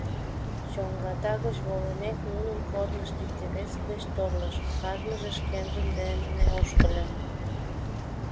Чоҥгата гыч волымек, нунын корнышт икте-весышт деч торлыш, кажныже шкенжын дене ошкыльо.